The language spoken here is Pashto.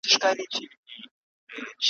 علم د دواړو جهانونو رڼا ده `